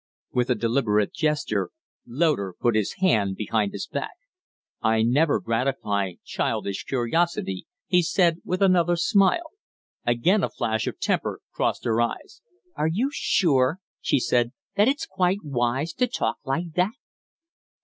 With a deliberate gesture Loder put his hand behind his back. "I never gratify childish curiosity," he said, with another smile. Again a flash of temper crossed her eyes. "Are you sure," she said, "that it's quite wise to talk like that?"